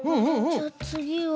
じゃつぎは。